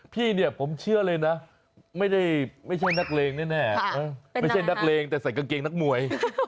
พี่เนี่ยผมเชื่อเลยนะไม่ใช่นักเลงแน่แต่ใส่กางเกงนักมวย